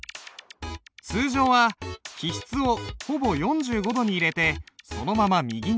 通常は起筆をほぼ４５度に入れてそのまま右に引く。